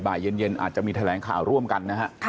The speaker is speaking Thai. บ่ายเย็นอาจจะมีแถลงข่าวร่วมกันนะฮะ